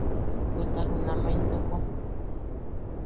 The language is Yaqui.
Bweta junama intoko.